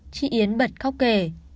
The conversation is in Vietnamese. chị yến bật khóc kể